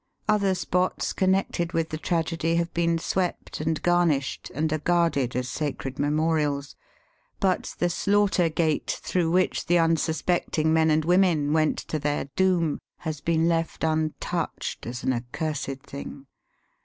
Other spots connected with the tragedy have been swept and garnished, and are guarded as sacred memorials. But the slaughter gate through which the unsuspecting men and women went to their doom has been left untouched as an accursed thing.